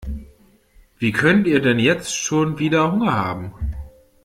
Wie könnt ihr denn jetzt schon wieder Hunger haben?